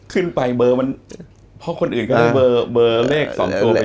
ขึ้นไปเบ่อมันเพราะคนอื่นก็เบอร์เลขสองตัวไยเยอะ